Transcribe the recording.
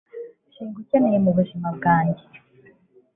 singukeneye mu buzima bwanjye